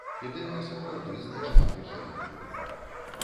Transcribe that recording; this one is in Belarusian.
Ідэя сапраўды знайшла прыхільнікаў.